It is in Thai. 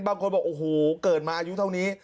บางคนบอกโอ้โหเกิดมาอายุเท่านี้